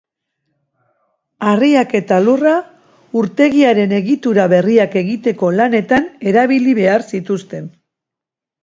Harriak eta lurra urtegiaren egitura berriak egiteko lanetan erabili behar zituzten.